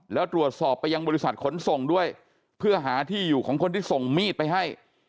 แล้วตรวจสอบไปยังบริษัทขนส่งด้วยเพื่อหาที่อยู่ของคนที่ส่งมีดไปให้